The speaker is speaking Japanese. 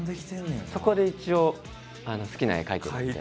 そこで一応好きな絵描いてるんで。